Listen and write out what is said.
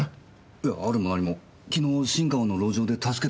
いやあるも何も昨日新川の路上で助けた男だよ。